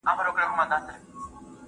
پلونه لرمه کنه؟ .